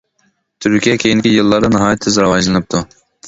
تۈركىيە كېيىنكى يىللاردا ناھايىتى تېز راۋاجلىنىپتۇ.